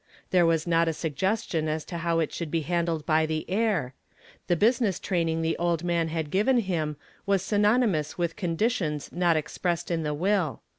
There was not a suggestion as to how it should be handled by the heir. The business training the old man had given him was synonymous with conditions not expressed in the will.